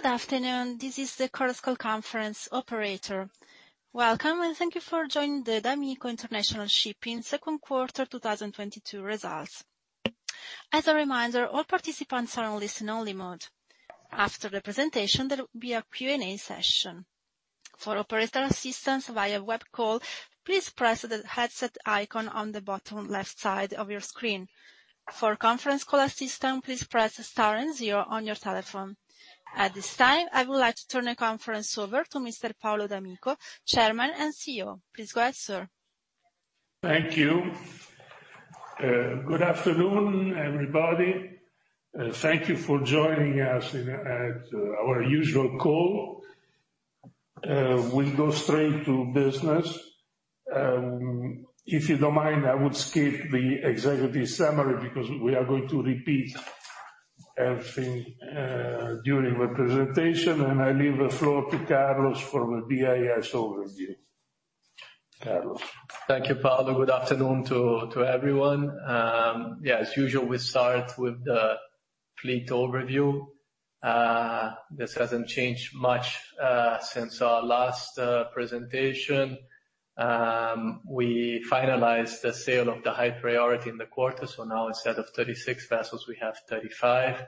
Good afternoon. This is the Chorus Call Conference operator. Welcome, and thank you for joining the d'Amico International Shipping Q2 2022 results. As a reminder, all participants are on listen only mode. After the presentation, there will be a Q&A session. For operator assistance via web call, please press the headset icon on the bottom left side of your screen. For conference call assistant, please press star and zero on your telephone. At this time, I would like to turn the conference over to Mr. Paolo d'Amico, Chairman and CEO. Please go ahead, sir. Thank you. Good afternoon, everybody. Thank you for joining us at our usual call. We'll go straight to business. If you don't mind, I would skip the executive summary because we are going to repeat everything during the presentation and I leave the floor to Carlos for the DIS overview. Carlos. Thank you, Paolo. Good afternoon to everyone. Yeah, as usual, we start with the fleet overview. This hasn't changed much since our last presentation. We finalized the sale of the High Priority in the quarter. Now instead of 36 vessels, we have 35.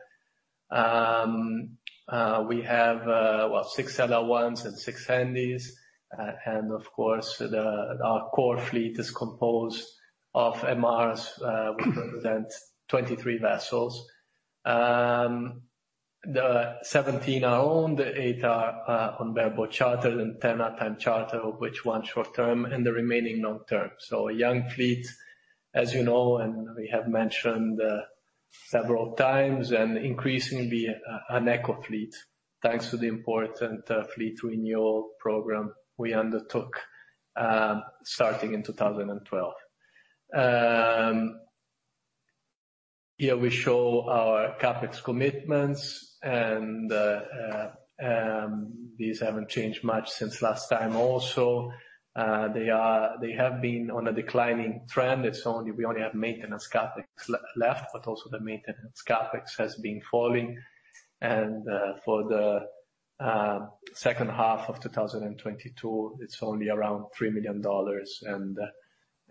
We have well 6 LR1s and 6 Handysize. And of course, our core fleet is composed of MRs, which represent 23 vessels. The 17 are owned, 8 are on bareboat charter and 10 are time charter, of which 1 short-term and the remaining long-term. A young fleet, as you know, and we have mentioned several times, and increasingly an eco-fleet thanks to the important fleet renewal program we undertook, starting in 2012. Here we show our CapEx commitment and these haven't changed much since last time also. They have been on a declining trend. We only have maintenance CapEx left, but also the maintenance CapEx has been falling. For the second half of 2022, it's only around $3 million and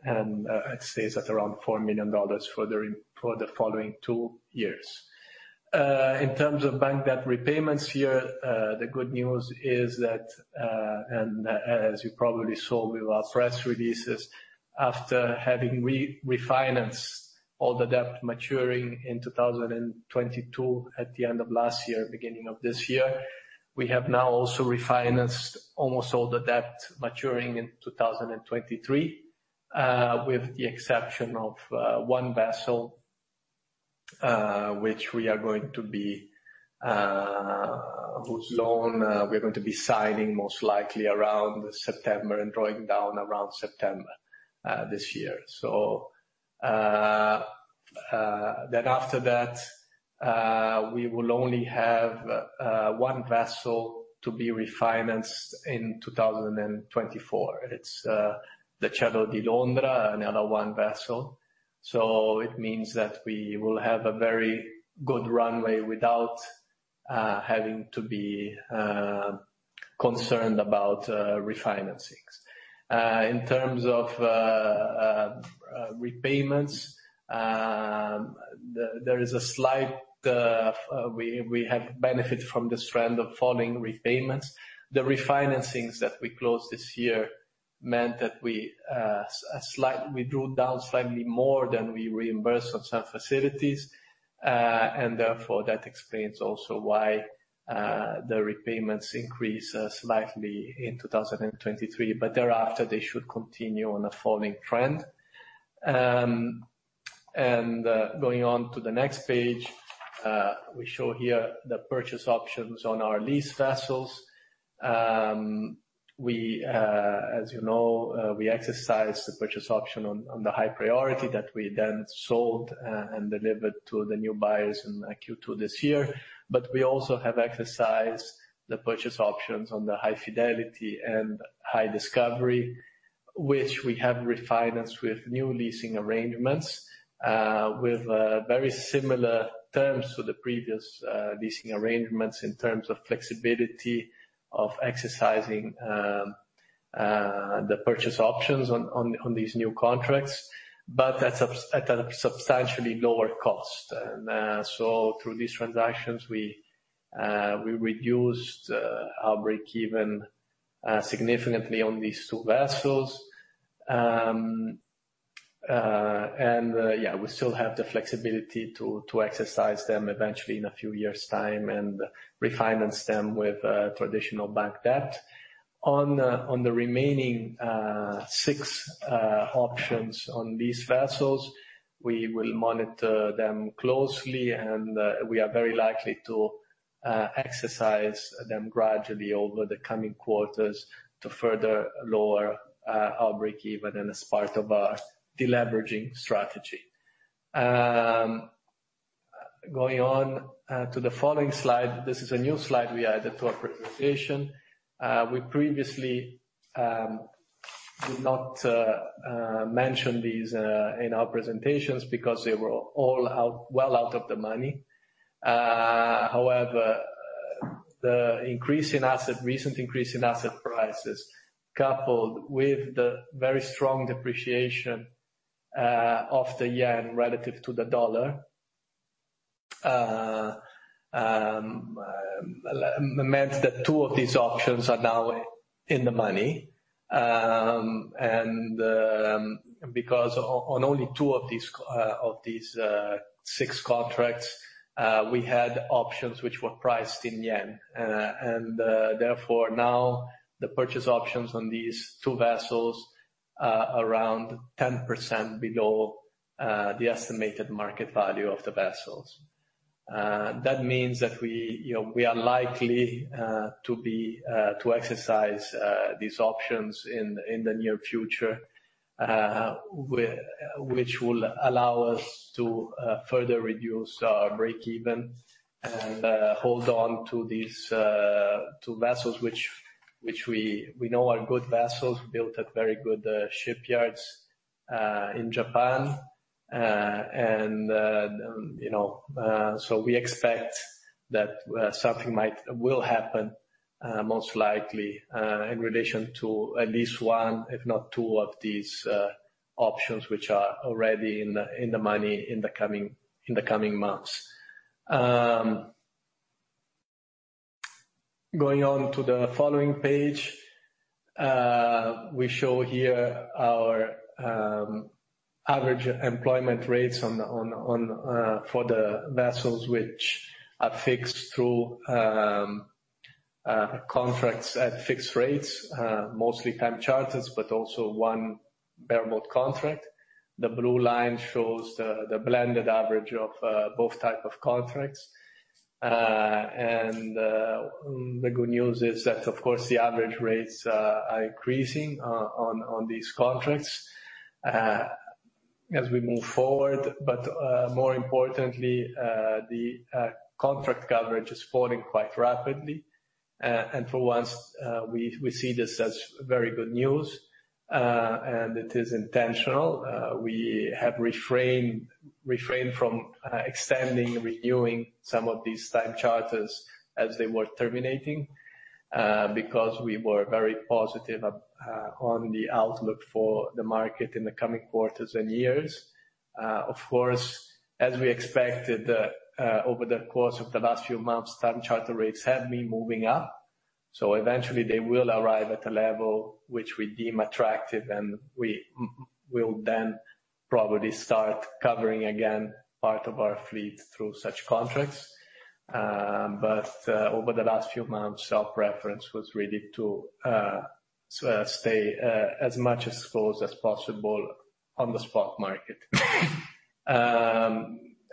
it stays at around $4 million for the following 2 years. In terms of bank debt repayments here, the good news is that as you probably saw with our press releases, after having refinanced all the debt maturing in 2022, at the end of last year, beginning of this year, we have now also refinanced almost all the debt maturing in 2023, with the exception of one vessel which loan we're going to be signing most likely around September and drawing down around September this year. After that, we will only have one vessel to be refinanced in 2024. It's the Cielo di Londra, another one vessel. It means that we will have a very good runway without having to be concerned about refinancings. In terms of repayments, there is a slight, we have benefit from this trend of falling repayments. The refinancings that we closed this year meant that we drew down slightly more than we reimbursed on some facilities, and therefore that explains also why the repayments increase slightly in 2023, but thereafter they should continue on a falling trend. Going on to the next page, we show here the purchase options on our lease vessels. As you know, we exercise the purchase option on the High Priority that we then sold and delivered to the new buyers in Q2 this year. We also have exercised the purchase options on the High Fidelity and High Discovery, which we have refinanced with new leasing arrangements with very similar terms to the previous leasing arrangements in terms of flexibility of exercising the purchase options on these new contracts, but at a substantially lower cost. Through these transactions, we reduced our breakeven significantly on these two vessels. We still have the flexibility to exercise them eventually in a few years time and refinance them with traditional bank debt. On the remaining 6 options on these vessels, we will monitor them closely and we are very likely to exercise them gradually over the coming quarters to further lower our breakeven and as part of our deleveraging strategy. Going on to the following slide, this is a new slide we added to our presentation. We previously did not mention these in our presentations because they were all well out of the money. However, the recent increase in asset prices, coupled with the very strong depreciation of the yen relative to the dollar, meant that two of these options are now in the money. Because only two of these six contracts, we had options which were priced in yen. Therefore, now the purchase options on these two vessels are around 10% below the estimated market value of the vessels. That means that we, you know, we are likely to exercise these options in the near future, which will allow us to further reduce our breakeven and hold on to these two vessels, which we know are good vessels built at very good shipyards in Japan. You know, we expect that something will happen, most likely in relation to at least one, if not two of these options, which are already in the money in the coming months. Going on to the following page, we show here our average employment rates on the for the vessels which are fixed through contracts at fixed rates. Mostly time charters, but also one bareboat contract. The blue line shows the blended average of both type of contracts. The good news is that, of course, the average rates are increasing on these contracts as we move forward. But, more importantly, the contract coverage is falling quite rapidly. For once, we see this as very good news, and it is intentional. We have refrained from extending, renewing some of these time charters as they were terminating because we were very positive on the outlook for the market in the coming quarters and years. Of course, as we expected, over the course of the last few months, time charter rates have been moving up, so eventually they will arrive at a level which we deem attractive and we will then probably start covering again part of our fleet through such contracts. Over the last few months, our preference was really to stay as close as possible on the spot market.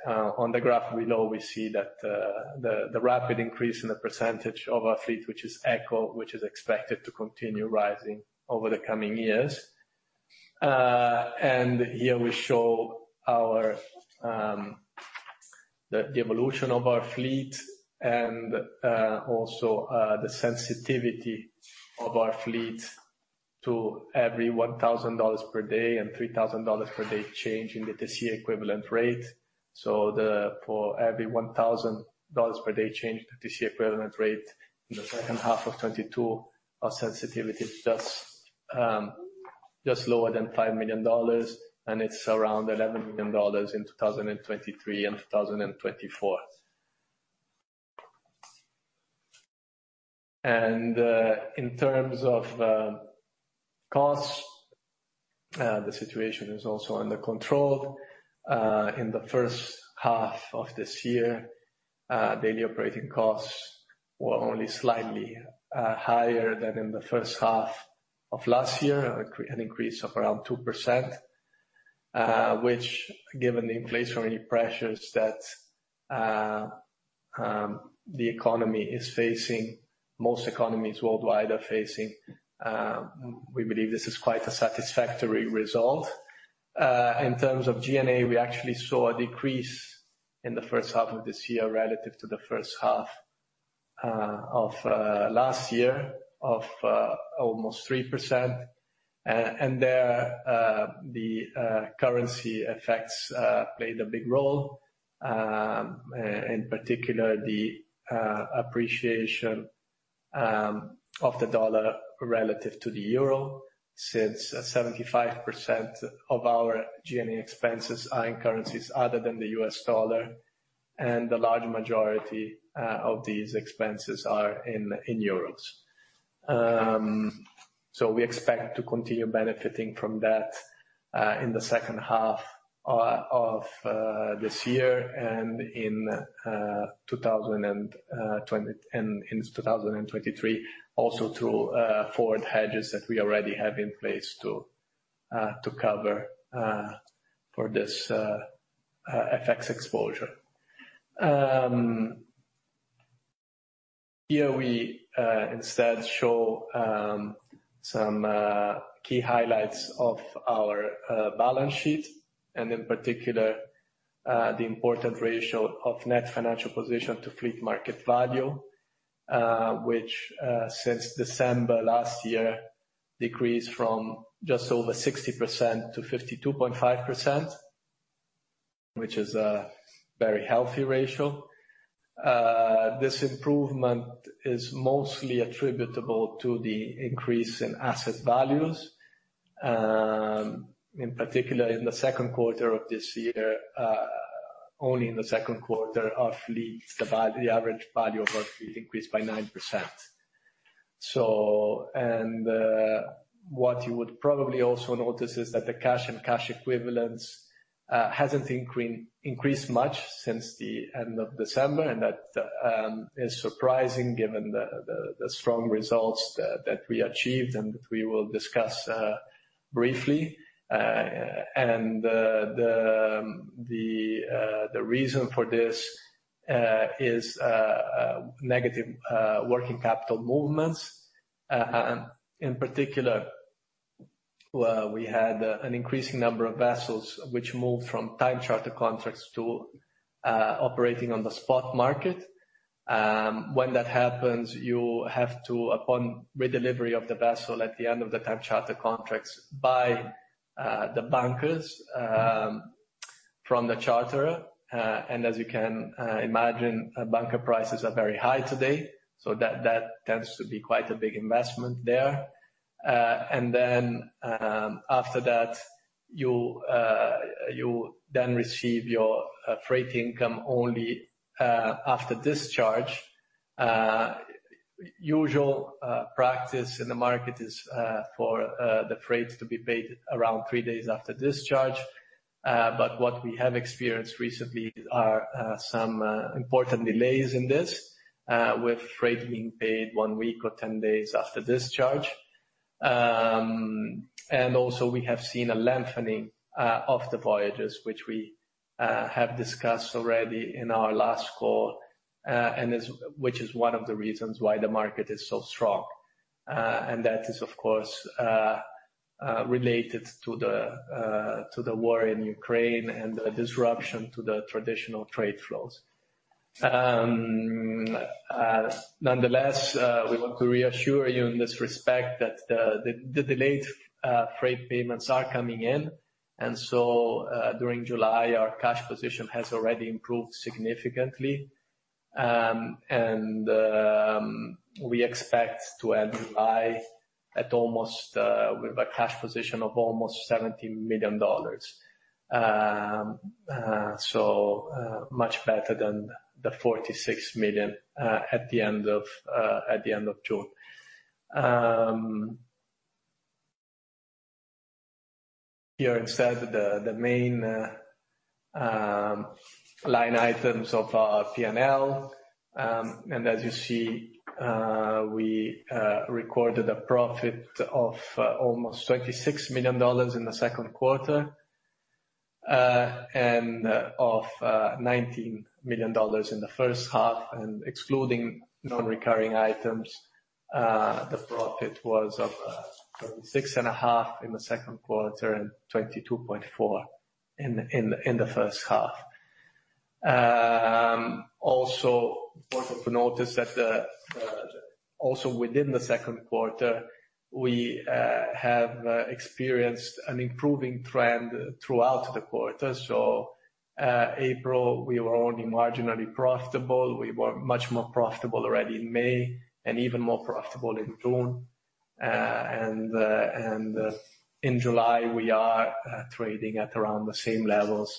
On the graph below, we see that the rapid increase in the percentage of our fleet, which is Eco, which is expected to continue rising over the coming years. Here we show the evolution of our fleet and also the sensitivity of our fleet to every $1,000 per day and $3,000 per day change in the TC equivalent rate. For every $1,000 per day change, the TC equivalent rate in the second half of 22, our sensitivity is just lower than $5 million and it's around $11 million in 2023 and 2024. And in terms of costs, the situation is also under control. In the first half of this year, daily operating costs were only slightly higher than in the first half of last year. An increase of around 2%, which given the inflationary pressures that the economy is facing, most economies worldwide are facing, we believe this is quite a satisfactory result. In terms of G&A, we actually saw a decrease in the first half of this year relative to the first half of last year of almost 3%. And the currency effects played a big role. In particular, the appreciation of the dollar relative to the euro, since 75% of our G&A expenses are in currencies other than the US dollar, and the large majority of these expenses are in euros. We expect to continue benefiting from that in the second half of this year and 2023, also through forward hedges that we already have in place to cover for this FX exposure. Here we instead show some key highlights of our balance sheet and in particular the important ratio of net financial position to fleet market value, which since December last year decreased from just over 60% to 52.5%, which is a very healthy ratio. This improvement is mostly attributable to the increase in asset values. In particular, in the Q2 of this year, only in the Q2 our fleet, the average value of our fleet increased by 9% So, and the, what you would probably also notice is that the cash and cash equivalents hasn't increased much since the end of December and that is surprising given the strong results that we achieved and that we will discuss briefly. The reason for this is negative working capital movements. In particular, we had an increasing number of vessels which moved from time charter contracts to operating on the spot market. When that happens, you have to, upon redelivery of the vessel at the end of the time charter contracts, buy the bunkers from the charterer. As you can imagine, bunker prices are very high today, so that tends to be quite a big investment there. Then, after that, you'll then receive your freight income only after discharge. Usual practice in the market is for the freights to be paid around three days after discharge. What we have experienced recently are some important delays in this with freight being paid one week or 10 days after discharge. And also we have seen a lengthening of the voyages, which we have discussed already in our last call, which is one of the reasons why the market is so strong. That is of course related to the war in Ukraine and the disruption to the traditional trade flows. Nonetheless, we want to reassure you in this respect that the delayed freight payments are coming in. During July, our cash position has already improved significantly. We expect to end by at almost with a cash position of almost $70 million. So, much better than the $46 million at the end of June. Here instead the main line items of our P&L and as you see, we recorded a profit of almost $26 million in the Q2 and of $19 million in the first half and excluding non-recurring items, the profit was of $26.5 million in the Q2 and $22.4 million in the first half. Also important to notice that also within the Q2, we have experienced an improving trend throughout the quarter. April, we were only marginally profitable. We were much more profitable already in May, and even more profitable in June. In July, we are trading at around the same levels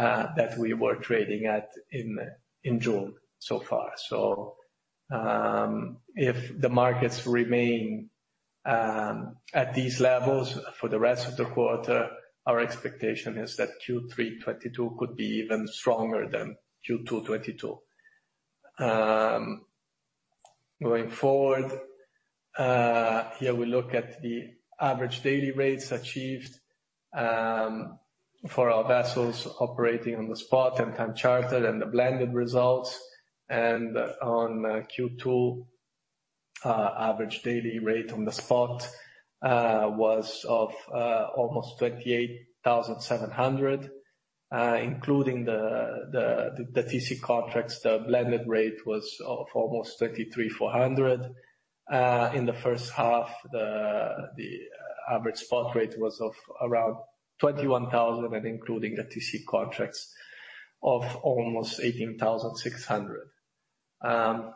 that we were trading at in June so far. If the markets remain at these levels for the rest of the quarter, our expectation is that Q3 22 could be even stronger than Q2 22. Going forward, here we look at the average daily rates achieved for our vessels operating on the spot and time charter and the blended results. On Q2, average daily rate on the spot was almost $28,700. Including the TC contracts, the blended rate was almost $23,400. In the first half, the average spot rate was around $21,000, and including the TC contracts almost $18,600.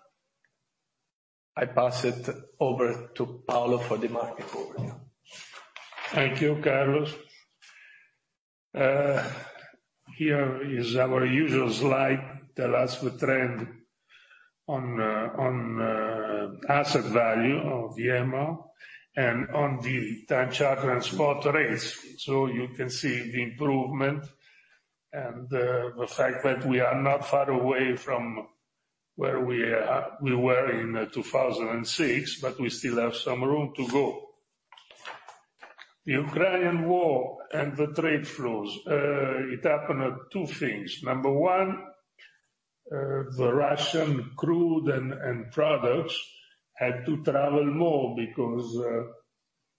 I pass it over to Paolo d'Amico for the market overview. Thank you, Carlos. Here is our usual slide that tells the trend on asset value of the MR and on the time charter and spot rates. You can see the improvement and the fact that we are not far away from where we were in 2006, but we still have some room to go. The Ukrainian war and the trade flows, it did two things. Number one, the Russian crude and products had to travel more because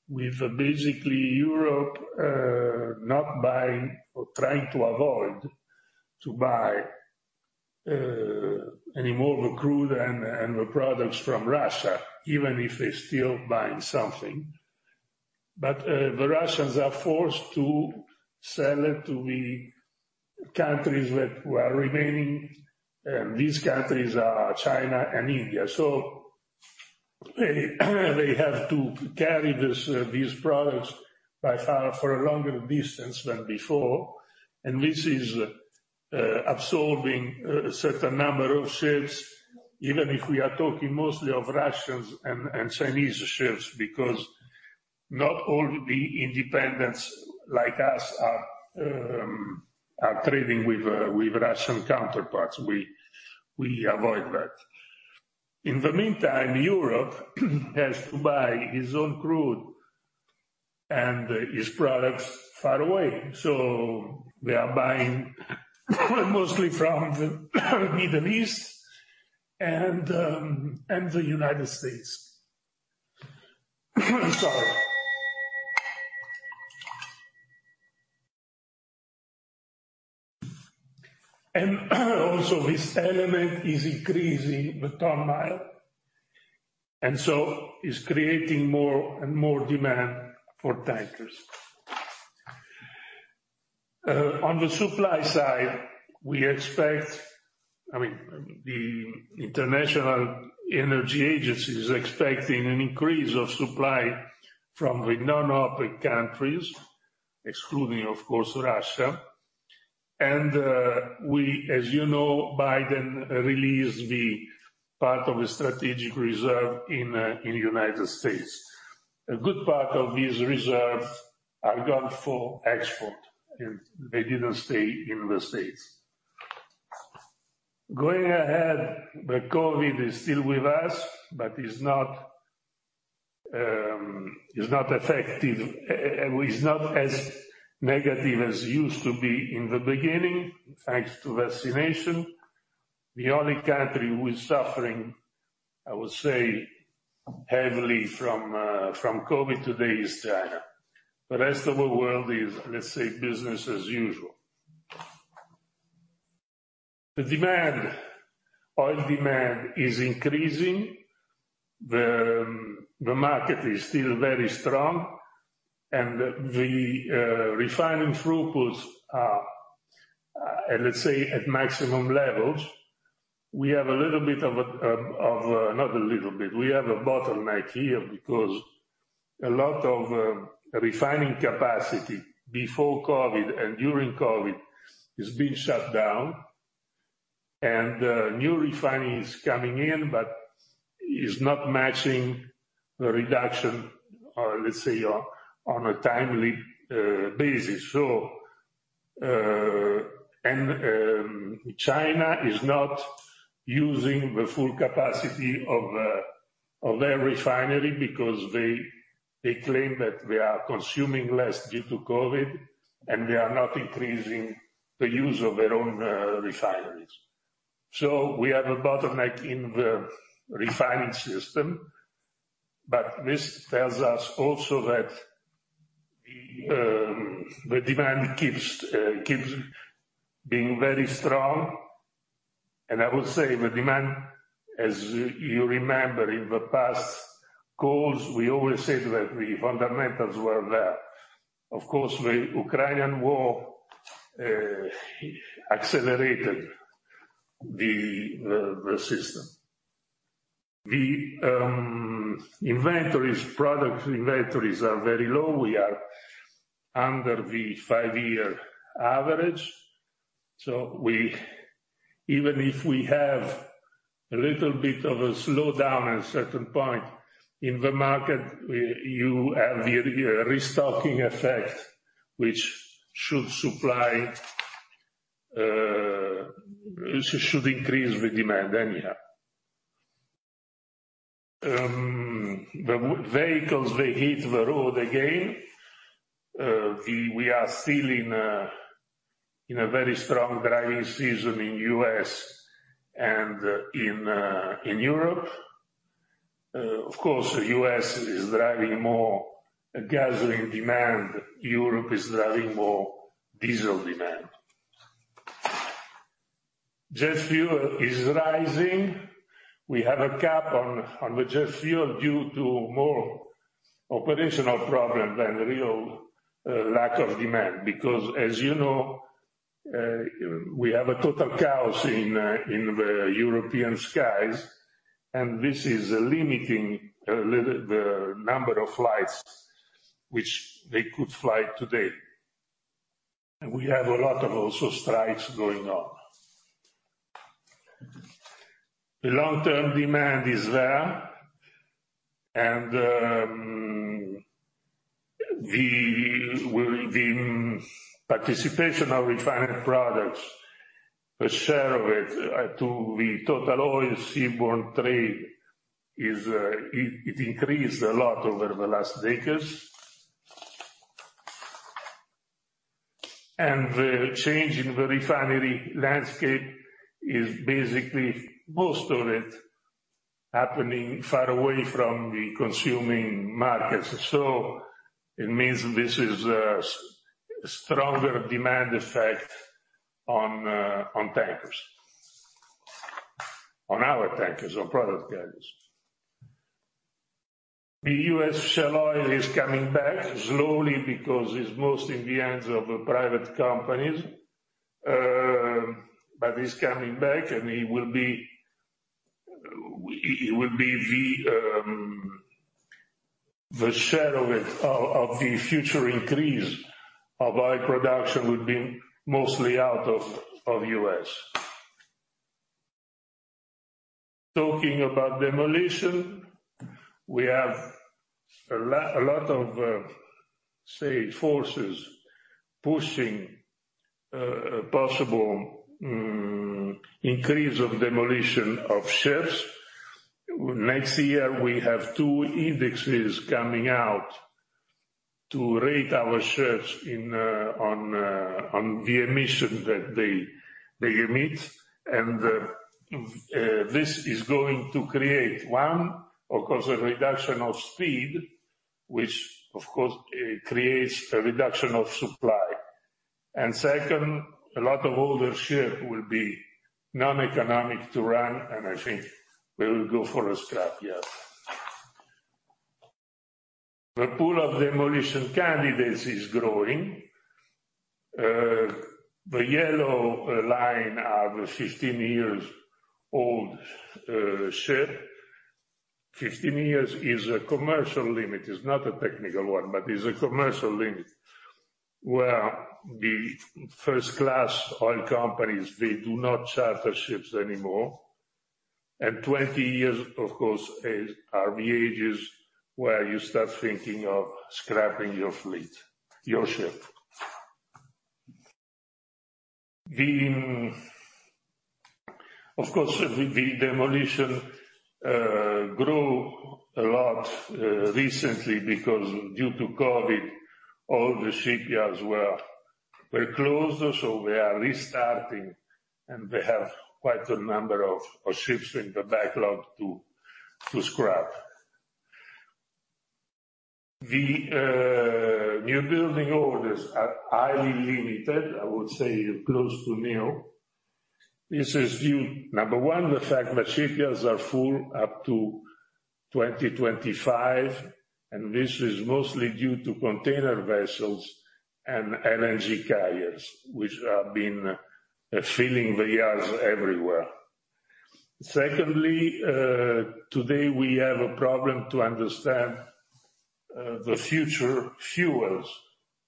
with basically Europe not buying or trying to avoid to buy any more of the crude and the products from Russia, even if they're still buying something. The Russians are forced to sell it to the countries who are remaining and these countries are China and India. They have to carry these products by far for a longer distance than before. This is absorbing a certain number of ships, even if we are talking mostly of Russian and Chinese ships because not all the independents like us are trading with Russian counterparts, we avoid that. In the meantime, Europe has to buy its own crude and its products far away. We are buying mostly from the Middle East and the United States. Sorry. This element is also increasing the ton mile and so it's creating more and more demand for tankers. On the supply side, the International Energy Agency is expecting an increase of supply from the non-OPEC countries, excluding, of course, Russia. We, as you know, Biden released the part of a strategic reserve in the United States. A good part of these reserves are gone for export, and they didn't stay in the States. Going ahead, the COVID is still with us, but is not effective. Is not as negative as it used to be in the beginning, thanks to vaccination. The only country who is suffering, I would say, heavily from COVID today is China. The rest of the world is, let's say, business as usual. The demand, oil demand is increasing. The market is still very strong and the refining throughputs are, let's say, at maximum levels. We have a little bit of a, not a little bit. We have a bottleneck here because a lot of refining capacity before COVID and during COVID has been shut down. New refining is coming in but is not matching the reduction, or let's say, on a timely basis. China is not using the full capacity of their refinery because they claim that they are consuming less due to COVID and they are not increasing the use of their own refineries. We have a bottleneck in the refining system. This tells us also that the demand keeps being very strong. I would say the demand, as you remember in the past calls, we always said that the fundamentals were there. Of course, the Ukrainian war accelerated the system. The inventories, product inventories are very low. We are under the 5-year average. Even if we have a little bit of a slowdown at certain point in the market, we have the restocking effect, which should increase the demand anyhow. The vehicles, they hit the road again. We are still in a very strong driving season in U.S. and in Europe. Of course, U.S. is driving more gasoline demand. Europe is driving more diesel demand. Jet fuel is rising. We have a cap on the jet fuel due to more operational problems than real lack of demand. Because as you know, we have a total chaos in the European skies and this is limiting the number of flights which they could fly today. We have also a lot of strikes going on. The long-term demand is there and the participation of refined products, a share of it, to the total oil seaborne trade is, it increased a lot over the last decades. The change in the refinery landscape is basically most of it happening far away from the consuming markets. It means this is a stronger demand effect on tankers. On our tankers or product carriers. The U.S. shale oil is coming back slowly because it's mostly in the hands of private companies, but it's coming back and it will be the share of it of the future increase of oil production will be mostly out of U.S. Talking about demolition, we have a lot of say forces pushing a possible increase of demolition of ships. Next year, we have two indexes coming out to rate our ships in, on the emissions that they emit and then this is going to create one, of course, a reduction of speed, which of course creates a reduction of supply. Second, a lot of older ships will be non-economic to run and I think they will go for a scrap yard. The pool of demolition candidates is growing. The yellow line are the 15-year-old ships. 15 years is a commercial limit, is not a technical one, but is a commercial limit, where the first-class oil companies, they do not charter ships anymore. 20 years, of course, are the ages where you start thinking of scrapping your fleet, your ship. Of course, the demolition grew a lot recently because due to COVID, all the shipyards were closed. We are restarting, and we have quite a number of ships in the backlog to scrap. New building orders are highly limited, I would say close to nil. This is due, number one, the fact that shipyards are full up to 2025, and this is mostly due to container vessels and LNG carriers, which have been filling the yards everywhere. Secondly, today we have a problem to understand the future fuels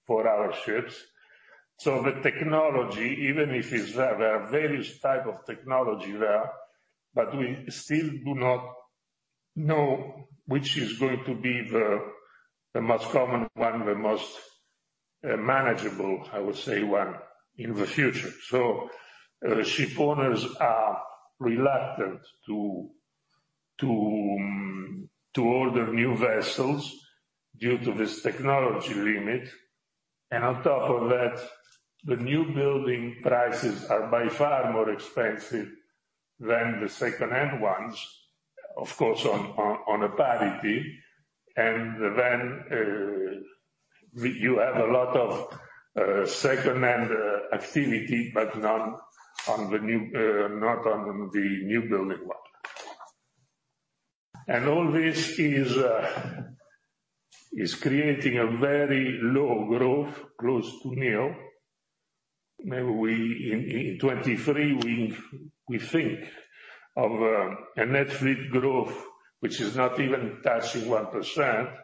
for our ships. The technology, even if it's there are various type of technology there, but we still do not know which is going to be the most common one, the most manageable, I would say, one in the future. Ship owners are reluctant to order new vessels due to this technology limit. On top of that, the newbuilding prices are by far more expensive than the secondhand ones, of course, on a parity. You have a lot of secondhand activity, but none on the new, not on the newbuilding one. All this is creating a very low growth, close to nil. Maybe in 2023, we think of a net fleet growth which is not even touching 1%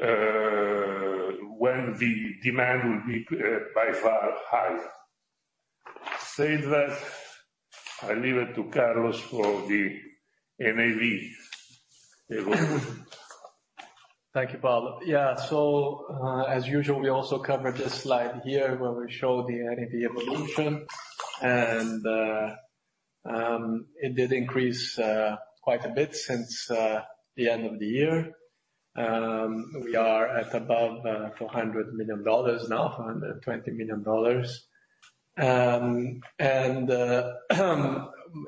when the demand will be by far higher. Saying that, I leave it to Carlos for the NAV evolution. Thank you, Paolo. Yeah, so, as usual, we also cover this slide here where we show the NAV evolution. It did increase quite a bit since the end of the year. We are above $400 million now, $420 million.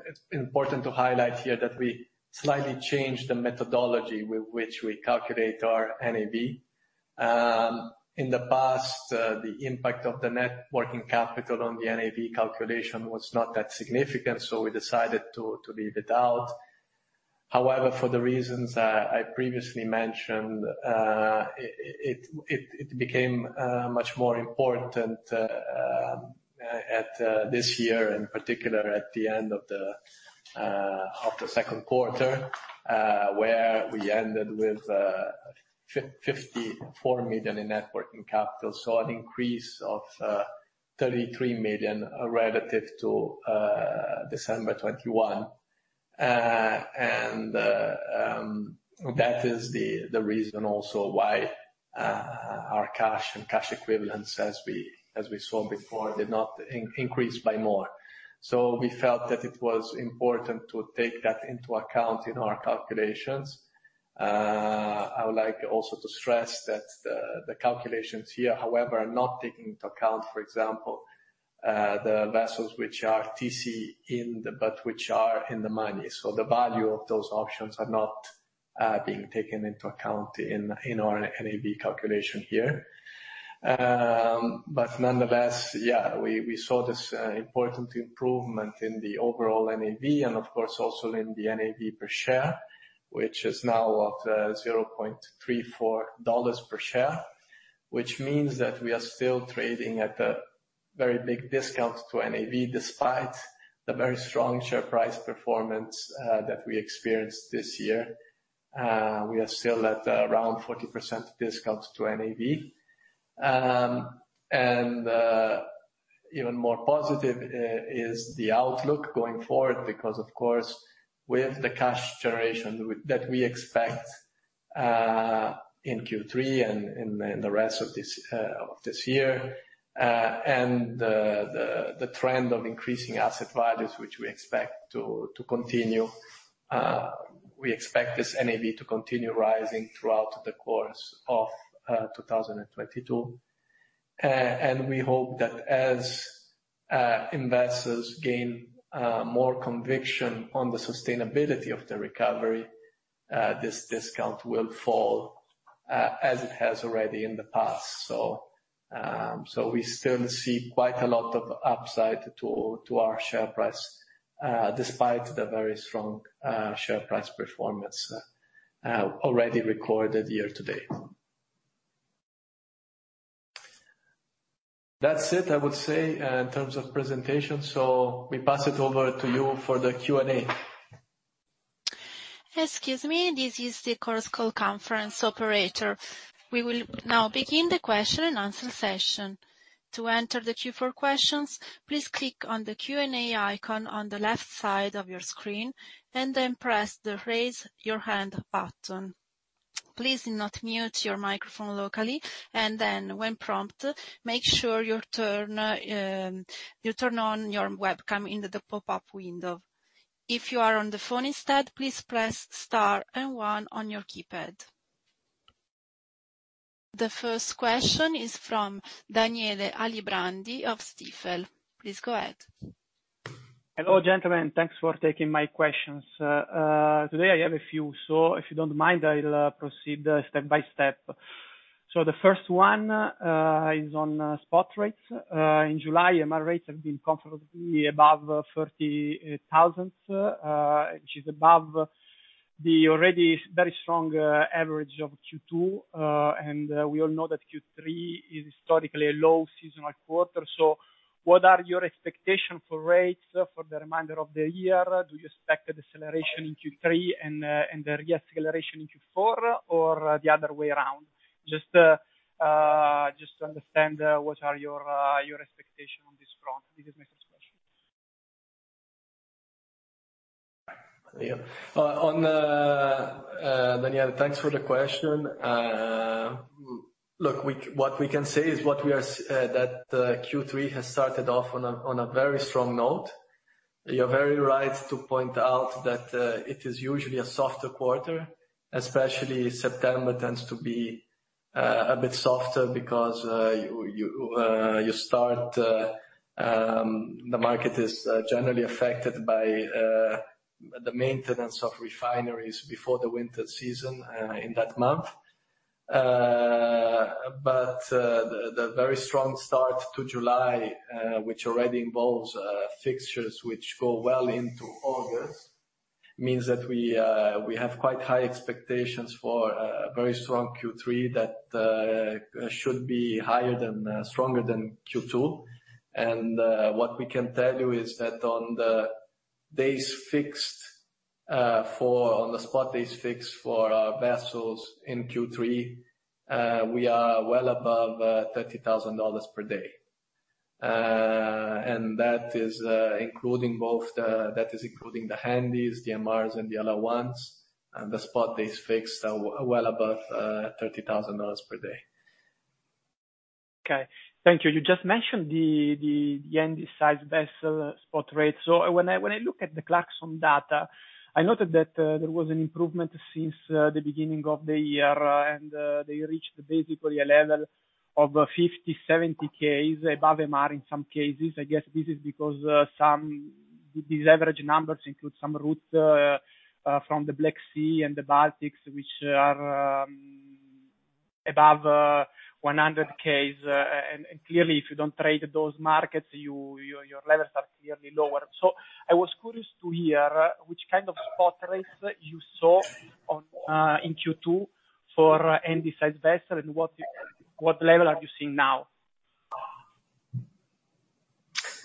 It's important to highlight here that we slightly changed the methodology with which we calculate our NAV. In the past, the impact of the net working capital on the NAV calculation was not that significant, so we decided to leave it out. However, for the reasons that I previously mentioned, it became much more important in this year, and in particular at the end of the Q2, where we ended with $54 million in net working capital. An increase of $33 million relative to December 21. That is the reason also why our cash and cash equivalents, as we saw before, did not increase by more. We felt that it was important to take that into account in our calculations. I would like also to stress that the calculations here, however, are not taking into account, for example, the vessels which are TC in, but which are in the money. The value of those options are not being taken into account in our NAV calculation here. But nonetheless, yeah, we saw this important improvement in the overall NAV and of course also in the NAV per share, which is now $0.34 per share, which means that we are still trading at a very big discount to NAV despite the very strong share price performance that we experienced this year. We are still at around 40% discount to NAV. Even more positive is the outlook going forward because of course, with the cash generation that we expect in Q3 and in the rest of this year, and the trend of increasing asset values, which we expect to continue, we expect this NAV to continue rising throughout the course of 2022. We hope that as investors gain more conviction on the sustainability of the recovery, this discount will fall as it has already in the past. We still see quite a lot of upside to our share price despite the very strong share price performance already recorded year to date. That's it, I would say, in terms of presentation so we pass it over to you for the Q&A. Excuse me. This is the Chorus Call Conference operator. We will now begin the question and answer session. To enter the queue for questions, please click on the Q&A icon on the left side of your screen and then press the Raise Your Hand button. Please do not mute your microphone locally and then when prompted, make sure you turn on your webcam in the pop-up window. If you are on the phone instead, please press star and one on your keypad. The first question is from Daniele Alibrandi of Stifel. Please go ahead. Hello, gentlemen thanks for taking my questions. Today I have a few, so if you don't mind, I'll proceed step by step. So the first one is on spot rates. In July, MR rates have been comfortably above $30,000, which is above the already very strong average of Q2. We all know that Q3 is historically a low seasonal quarter. What are your expectation for rates for the remainder of the year? Do you expect a deceleration in Q3 and the re-acceleration in Q4, or the other way around? Just to understand what are your expectation on this front. This is my first question. Yeah. Daniele, thanks for the question. Look, what we can say is that Q3 has started off on a very strong note. You're very right to point out that it is usually a softer quarter, especially September tends to be a bit softer because the market is generally affected by the maintenance of refineries before the winter season in that month. The very strong start to July, which already involves fixtures which go well into August, means that we have quite high expectations for a very strong Q3 that should be higher than stronger than Q2. What we can tell you is that on the spot days fixed for our vessels in Q3, we are well above $30,000 per day. That is including the Handys, the MRs, and the other ones. The spot days fixed are well above $30,000 per day. Okay. Thank you. You just mentioned the Handysize vessel spot rate. When I look at the Clarksons data, I noted that there was an improvement since the beginning of the year and they reached basically a level of $50-70 Ks above MR in some cases. I guess this is because these average numbers include some routes from the Black Sea and the Baltics, which are above $100 Ks. Clearly, if you don't trade those markets, your levels are clearly lower. I was curious to hear which kind of spot rates you saw in Q2 for Handysize vessel, and what level are you seeing now?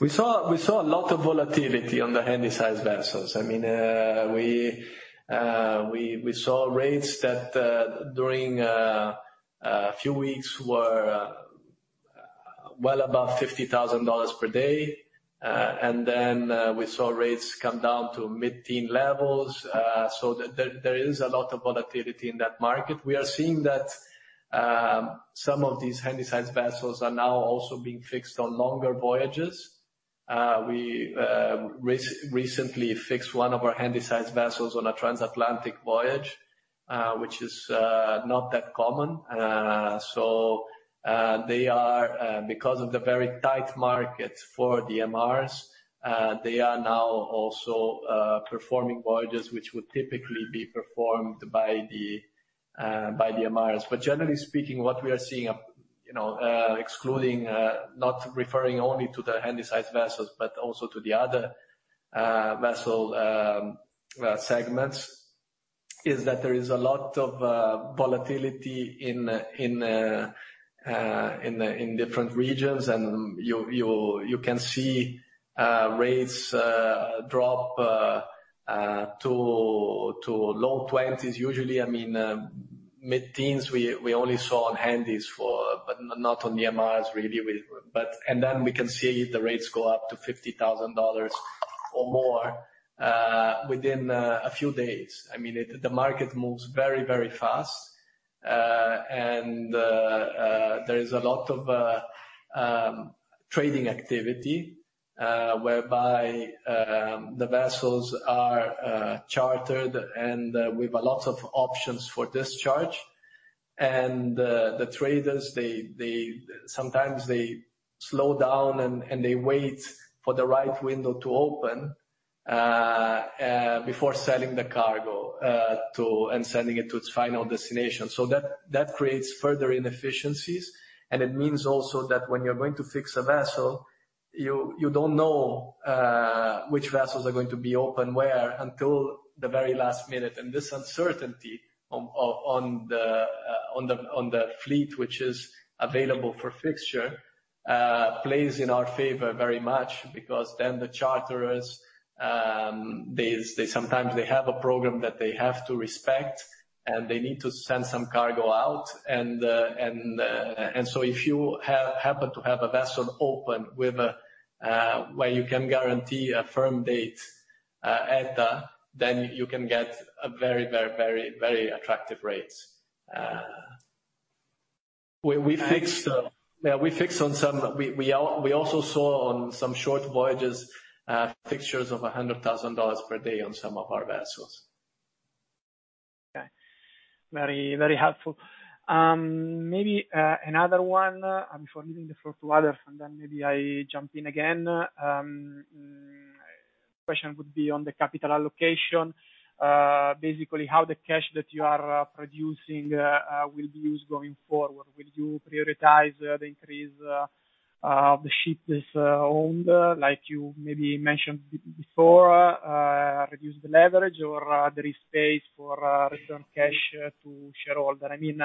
We saw a lot of volatility on the Handysize vessels. I mean, we saw rates that during a few weeks were well above $50,000 per day and then we saw rates come down to mid-teen levels so there is a lot of volatility in that market. We are seeing that some of these Handysize vessels are now also being fixed on longer voyages. We recently fixed one of our Handysize vessels on a transatlantic voyage, which is not that common. They are, because of the very tight market for the MRs, they are now also performing voyages which would typically be performed by the MRs. Generally speaking, what we are seeing, you know, not referring only to the Handysize vessels, but also to the other vessel segments, is that there is a lot of volatility in different regions and you can see rates drop to low 20s usually. I mean, mid-teens we only saw on Handysize, but not on the MRs really. Then we can see the rates go up to $50,000 or more within a few days. I mean, the market moves very, very fast. There is a lot of trading activity whereby the vessels are chartered and with a lot of options for discharge. And the traders sometimes slow down and they wait for the right window to open before selling the cargo and sending it to its final destination. That creates further inefficiencies, and it means also that when you're going to fix a vessel, you don't know which vessels are going to be open where until the very last minute. This uncertainty on the fleet which is available for fixture plays in our favor very much because then the charterers sometimes have a program that they have to respect, and they need to send some cargo out. If you happen to have a vessel open with a where you can guarantee a firm date ETA, then you can get a very attractive rates. We fixed, yeah, we also saw on some short voyages fixtures of $100,000 per day on some of our vessels. Okay. Very, very helpful. Maybe another one before giving the floor to others, and then maybe I jump in again. Question would be on the capital allocation. Basically how the cash that you are producing will be used going forward? Will you prioritize the increase of the ship that's owned, like you maybe mentioned before, reduce the leverage or there is space for return cash to shareholder? I mean,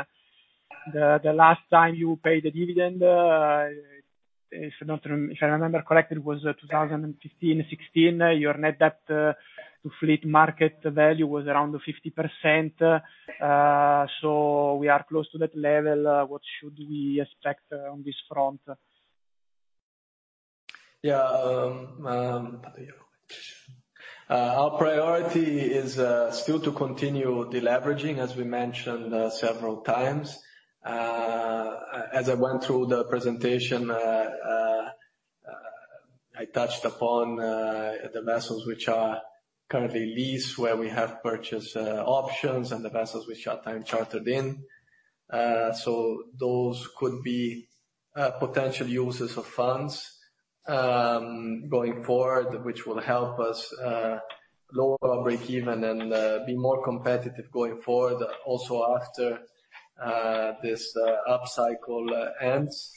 the last time you paid a dividend, if I remember correct, it was 2015 or 16. Your net debt to fleet market value was around 50% so we are close to that level. What should we expect on this front? Yeah. Our priority is still to continue deleveraging, as we mentioned several times. As I went through the presentation, I touched upon the vessels which are currently leased, where we have purchase options and the vessels which are time chartered in. Those could be potential uses of funds going forward, which will help us lower our break even and be more competitive going forward also after this up cycle ends.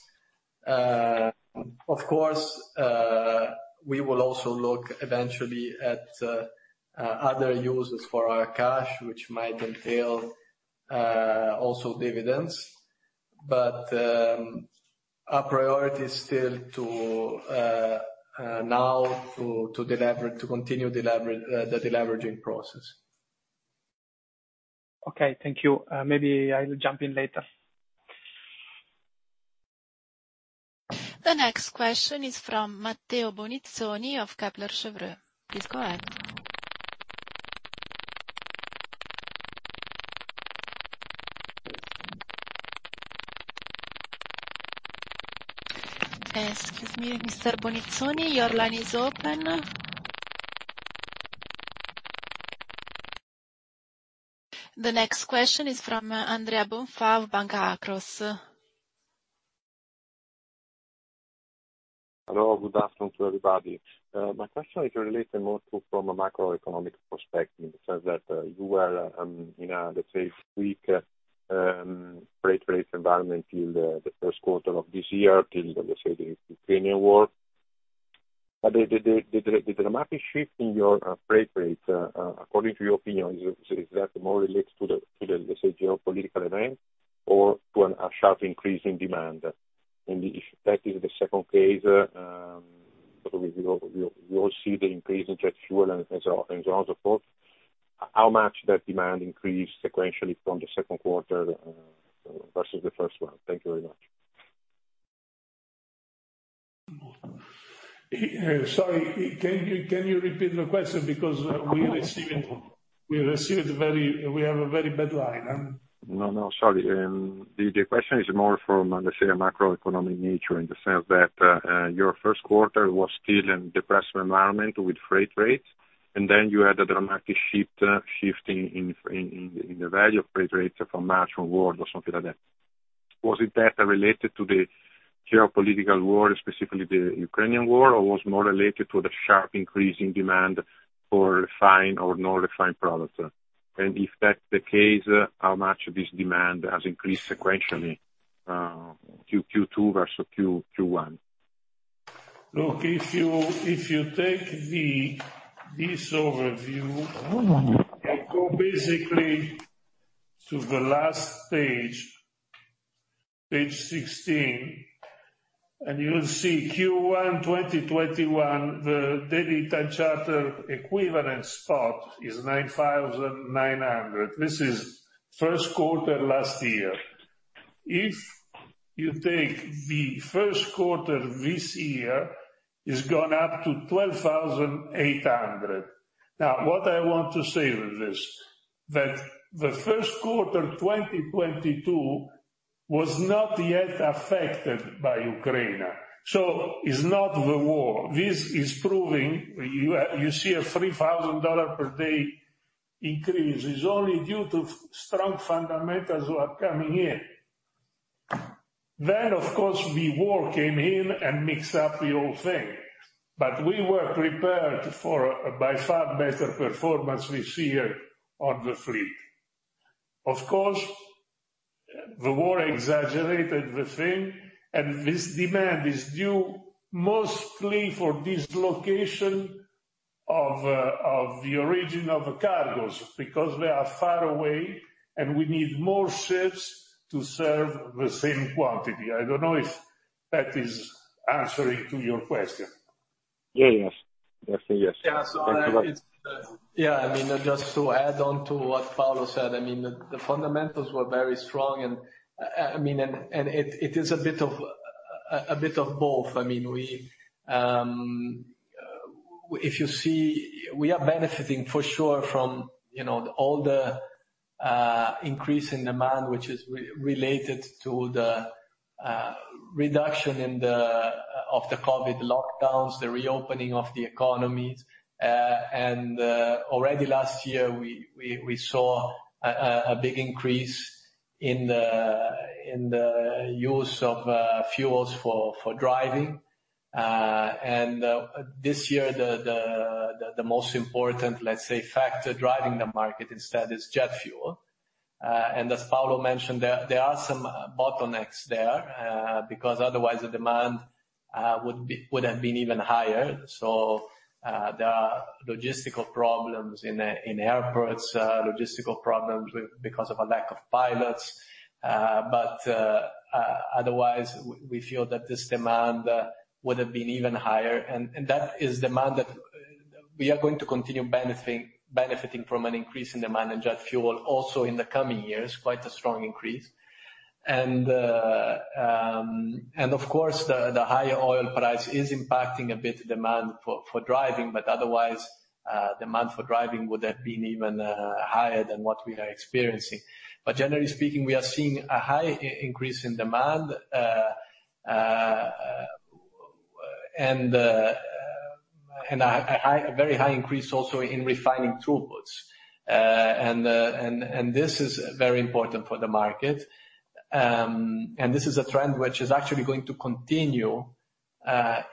Of course, we will also look eventually at other uses for our cash, which might entail also dividends. But, our priority is still to continue the deleveraging process. Okay. Thank you. Maybe I'll jump in later. The next question is from Matteo Bonizzoni of Kepler Cheuvreux. Please go ahead. Excuse me, Mr. Bonizzoni, your line is open. The next question is from Andrea Bonfà of Banca Akros. Hello, good afternoon to everybody. My question is related more to from a macroeconomic perspective, in the sense that, you were in a, let's say, weak, freight rate environment in the first quarter of this year until, let's say, the Ukrainian war. The dramatic shift in your, freight rate, according to your opinion, is that more related to the, to the, let's say geopolitical event or to an, a sharp increase in demand? If that is the second case, we all see the increase in jet fuel and so, and so on, so forth. How much that demand increased sequentially from the second quarter, versus the first one? Thank you very much. Sorry, can you repeat the question? Because we are receiving, we have a very bad line. No, no, sorry. The question is more from, let's say, a macroeconomic nature in the sense that your first quarter was still in depressed environment with freight rates, and then you had a dramatic shift in the value of freight rates from March onward or something like that. Was it that related to the geopolitical war, specifically the Ukrainian War, or was more related to the sharp increase in demand for refined or non-refined products? And if that's the case, how much of this demand has increased sequentially, Q-Q2 versus Q-Q1? Look, if you take this overview and go basically to the last page, page 16, and you'll see Q1 2021, the daily time charter equivalent spot is $9,900 this is Q1 last year. If you take the Q1 this year, it's gone up to $12,800. Now, what I want to say with this, that the Q1 2022 was not yet affected by Ukraine so it's not the war. This is proving you see a $3,000 per day increase is only due to strong fundamentals who are coming in. Then, of course, the war came in and mixed up the whole thing, but we were prepared for by far better performance we see here on The Fleet. Of course, the war exaggerated the thing, and this demand is due mostly for dislocation of the origin of the cargoes, because they are far away, and we need more ships to serve the same quantity. I don't know if that is answering to your question. Yeah, yes. Yes. Yeah. It's Thank you very much. Yeah, I mean, just to add on to what Paolo said, I mean, the fundamentals were very strong, and it is a bit of both. I mean, if you see, we are benefiting for sure from, you know, all the increase in demand, which is related to the reduction in the of the COVID lockdowns, the reopening of the economies. And already last year we saw a big increase in the use of fuels for driving. And this year, the most important, let's say, factor driving the market instead is jet fuel. And as Paolo mentioned, there are some bottlenecks there, because otherwise the demand would have been even higher. There are logistical problems in airports because of a lack of pilots. Otherwise we feel that this demand would have been even higher and that is demand that we are going to continue benefiting from an increase in demand in jet fuel also in the coming years, quite a strong increase. Of course, the higher oil price is impacting a bit demand for driving, but otherwise demand for driving would have been even higher than what we are experiencing. Generally speaking, we are seeing a high increase in demand, and a very high increase also in refining throughputs. This is very important for the market. This is a trend which is actually going to continue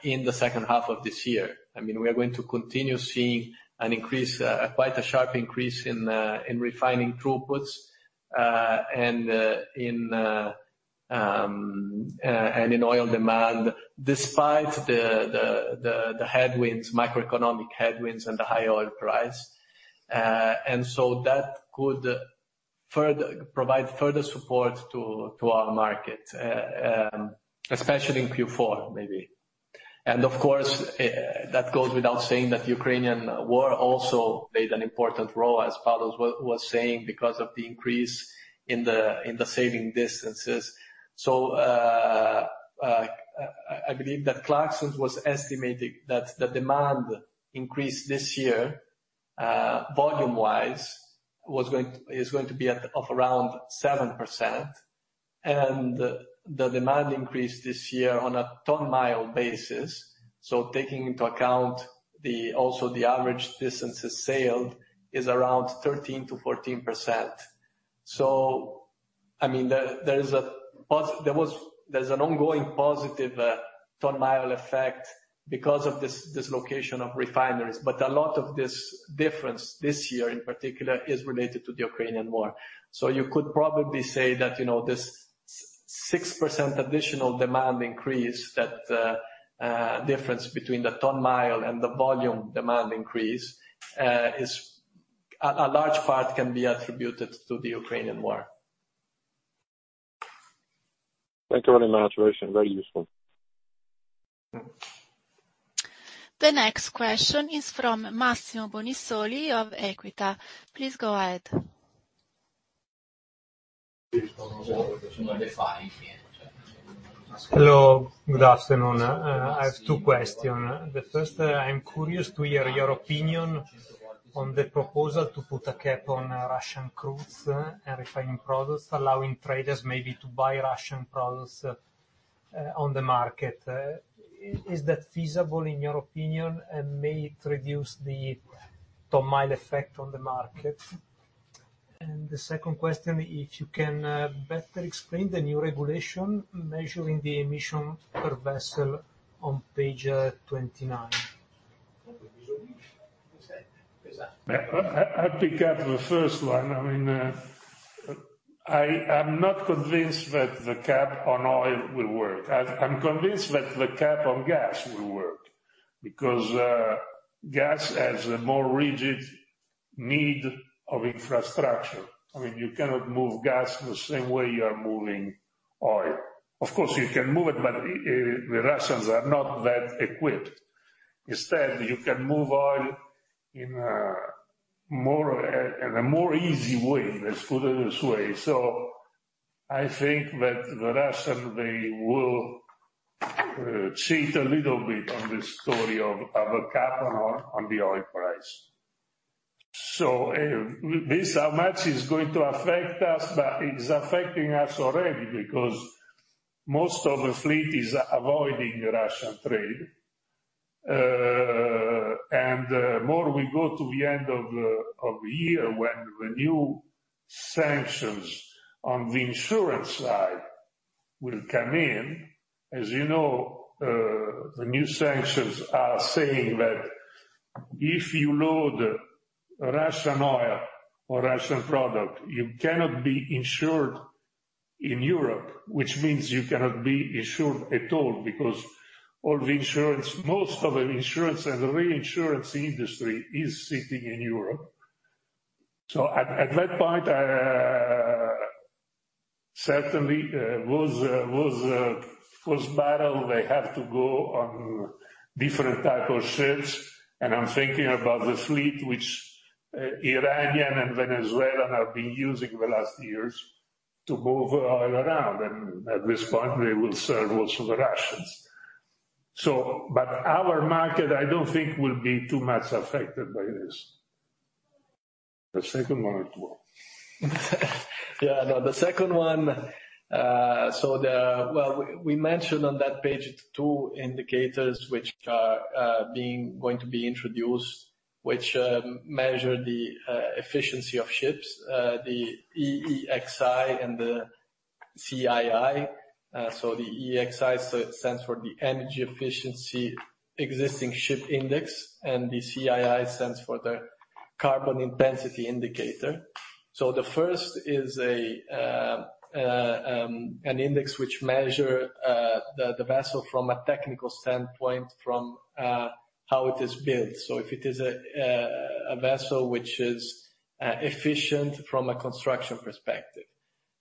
in the second half of this year. I mean, we are going to continue seeing an increase, quite a sharp increase in refining throughputs and in oil demand, despite the microeconomic headwinds and the high oil price. And so that could further provide further support to our market, especially in Q4, maybe. Of course, that goes without saying that Ukrainian war also played an important role, as Paolo was saying, because of the increase in the sailing distances. I believe that Clarksons was estimating that the demand increase this year, volume-wise, is going to be of around 7%. The demand increase this year on a ton mile basis, so taking into account the, also the average distances sailed, is around 13%-14%. I mean, there is an ongoing positive ton mile effect because of this location of refineries, but a lot of this difference this year in particular is related to the Ukrainian war. You could probably say that, you know, this 6% additional demand increase that difference between the ton mile and the volume demand increase is a large part can be attributed to the Ukrainian war. Thank you very much, very useful. Mm. The next question is from Massimo Bonisoli of Equita. Please go ahead. Hello, good afternoon. I have two question. The first, I'm curious to hear your opinion on the proposal to put a cap on Russian crudes and refining products, allowing traders maybe to buy Russian products on the market. Is that feasible in your opinion, and may it reduce the ton mile effect on the market? The second question, if you can, better explain the new regulation measuring the emission per vessel on page 29. I pick up the first one. I mean, I am not convinced that the cap on oil will work. I'm convinced that the cap on gas will work because gas has a more rigid need of infrastructure. I mean, you cannot move gas the same way you are moving oil. Of course, you can move it, but the Russians are not that equipped. Instead, you can move oil in a more easy way. Let's put it this way. I think that the Russians, they will cheat a little bit on this story of a cap on the oil price. How much is going to affect us, but it's affecting us already because most of the fleet is avoiding Russian trade. The more we go to the end of the year when the new sanctions on the insurance side will come in. As you know, the new sanctions are saying that if you load Russian oil or Russian product, you cannot be insured in Europe, which means you cannot be insured at all because all the insurance, most of the insurance and the reinsurance industry is sitting in Europe. At that point, certainly, those barrels, they have to go on different type of ships. I'm thinking about the fleet, which Iranian and Venezuelan have been using the last years to move oil around. At this point, they will serve also the Russians. Our market, I don't think will be too much affected by this. The second one as well. Yeah, no. The second one, Well, we mentioned on that page 2 indicators which are going to be introduced, which measure the efficiency of ships, the EEXI and the CII. The EEXI, so it stands for the Energy Efficiency Existing Ship Index, and the CII stands for the Carbon Intensity Indicator. The first is an index which measure the vessel from a technical standpoint from how it is built. If it is a vessel which is efficient from a construction perspective,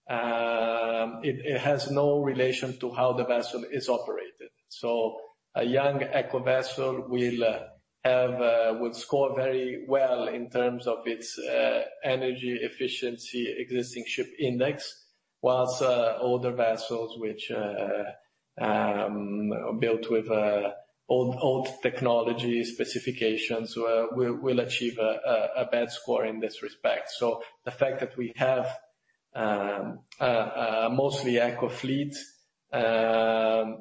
it has no relation to how the vessel is operated. A young Eco vessel would score very well in terms of its Energy Efficiency Existing Ship Index, while older vessels which are built with old technology specifications will achieve a bad score in this respect. The fact that we have mostly Eco-fleet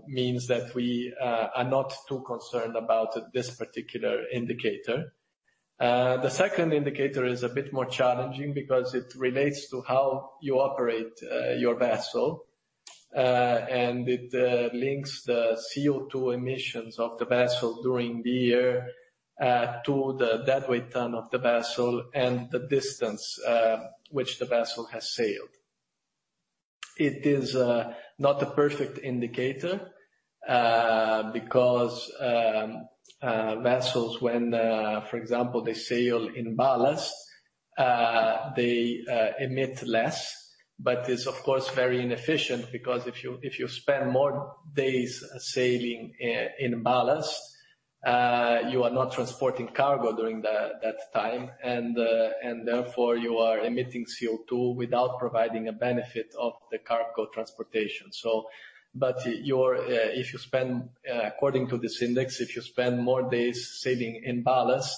means that we are not too concerned about this particular indicator. The second indicator is a bit more challenging because it relates to how you operate your vessel, and it links the CO2 emissions of the vessel during the year to the deadweight ton of the vessel and the distance which the vessel has sailed. It is not a perfect indicator because, for example, vessels when they sail in ballast, they emit less, but it is of course very inefficient because if you spend more days sailing in ballast, you are not transporting cargo during that time, and therefore you are emitting CO2 without providing a benefit of the cargo transportation. According to this index, if you spend more days sailing in ballast,